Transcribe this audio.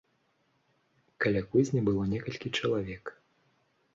Каля кузні было некалькі чалавек.